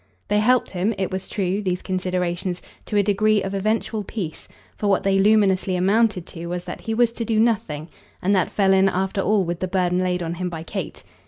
They helped him, it was true, these considerations, to a degree of eventual peace, for what they luminously amounted to was that he was to do nothing, and that fell in after all with the burden laid on him by Kate.